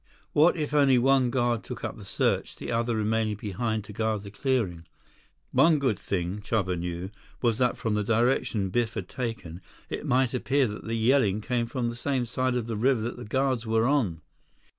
What if only one guard took up the search, the other remaining behind to guard the clearing? One good thing, Chuba knew, was that from the direction Biff had taken, it might appear that the yelling came from the same side of the river that the guards were on.